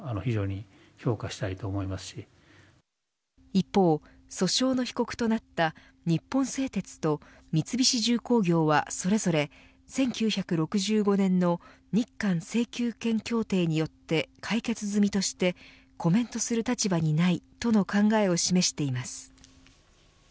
一方、訴訟の被告となった日本製鉄と三菱重工業はそれぞれ１９６５年の日韓請求権協定によって解決済みとしてコメントする立場にないとの考えを示しています。